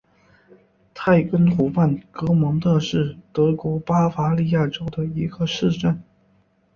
泰根湖畔格蒙特是德国巴伐利亚州的一个市镇。